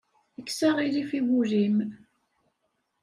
Kkes aɣilif i wul-im.